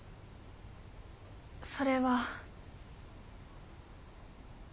それは。